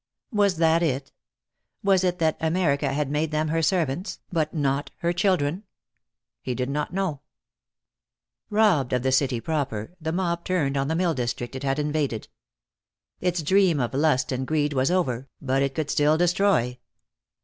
Was that it? Was it that America had made them her servants, but not her children? He did not know. Robbed of the city proper, the mob turned on the mill district it had invaded. Its dream of lust and greed was over, but it could still destroy.